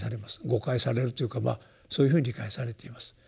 誤解されるというかそういうふうに理解されています。